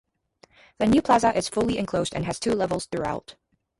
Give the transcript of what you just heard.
The new Plaza is fully enclosed and has two levels throughout.